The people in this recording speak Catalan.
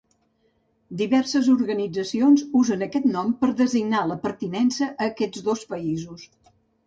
Diverses organitzacions usen aquest nom per designar la pertinença a aquests dos països.